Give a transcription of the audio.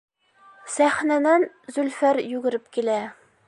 Сәхнәнән Зөлфәр йүгереп килә.